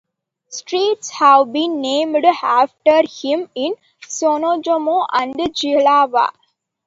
Streets have been named after him in Znojmo and Jihlava.